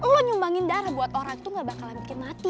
lo nyumbangin darah buat orang tuh gak bakalan bikin mati